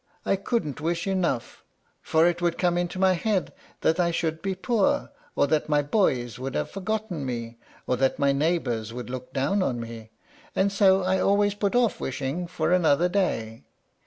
I couldn't wish enough, for it would come into my head that I should be poor, or that my boys would have forgotten me, or that my neighbors would look down on me, and so I always put off wishing for another day.